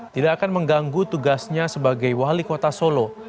tidak akan mengganggu tugasnya sebagai wali kota solo